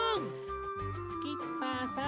スキッパーさん。